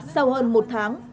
sau hơn một tháng